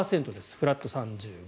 フラット３５。